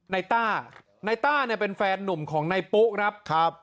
ต้านายต้าเนี่ยเป็นแฟนหนุ่มของนายปุ๊ครับครับ